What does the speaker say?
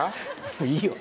もういいよ。